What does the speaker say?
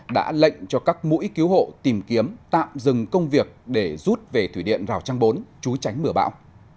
đã lệnh cho các mũi cứu hộ tìm kiếm tạm dừng công việc để rút về thủy điện rào trang bốn chú tránh mưa bão